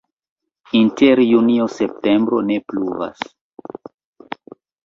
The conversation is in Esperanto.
Inter junio-septembro ne pluvas.